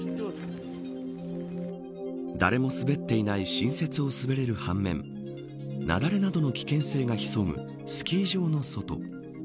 誰も滑っていない新雪を滑れる半面雪崩などの危険性が潜むスキー場の外。